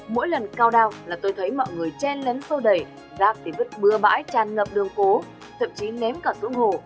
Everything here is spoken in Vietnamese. mỗi lần cao đao là tôi thấy mọi người chen lấn sâu đẩy rác để vứt bừa bãi tràn ngập đường phố thậm chí ném cả xuống hồ